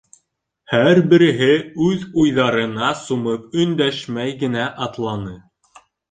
Һәр береһе үҙ уйҙарына сумып өндәшмәй генә атланы.